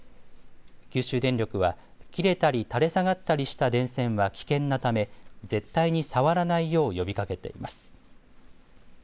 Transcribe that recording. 九州電力は切れたり垂れ下がったりした電線は危険なため、絶対に触らないよう呼びかけています。